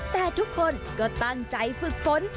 แต่ทุกคนก็ตั้งใจฝึกฝน